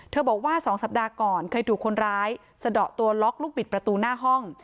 บอกว่า๒สัปดาห์ก่อนเคยถูกคนร้ายสะดอกตัวล็อกลูกบิดประตูหน้าห้อง